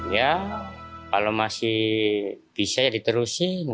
ya kalau masih bisa ya diterusin